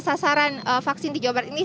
sasaran vaksin di jawa barat ini